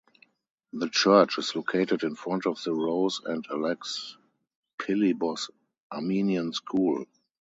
The church is located in front of the Rose and Alex Pilibos Armenian School.